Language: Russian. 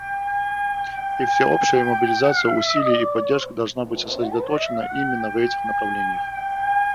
И всеобщая мобилизация усилий и поддержка должны быть сосредоточены именно на этих направлениях.